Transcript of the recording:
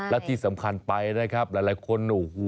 และที่สำคัญไปนะครับหลายคนโอ้โห